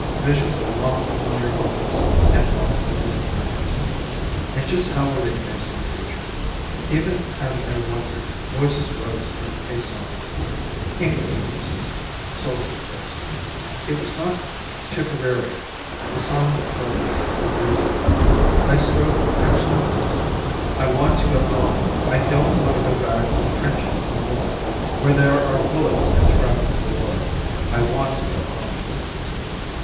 Visions of long familiar homes and long familiar friends? And just how were they facing the future? Even as I wondered, voices rose in a song, English voices, soldier voices. It was not "Tipperary," the song that thrilled us a few years ago. I strove to catch the words: "I want to go home! I don't want to go back to the trenches no more, Where there are bullets and shrapnel galore, I want to go home!"